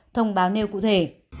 thông báo nêu cụ thể